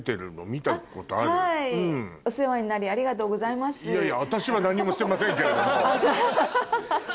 いやいや私は何もしてませんけれども。